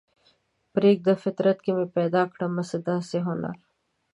پریږده فطرت کې مې پیدا کړمه څه داسې هنر